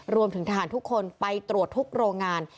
รวมถึงทหารทุกคนไปตรวจทุกโรงงาน